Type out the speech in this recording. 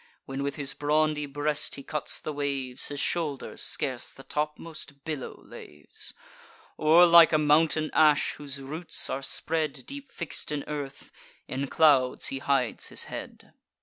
(When with his brawny breast he cuts the waves, His shoulders scarce the topmost billow laves), Or like a mountain ash, whose roots are spread, Deep fix'd in earth; in clouds he hides his head.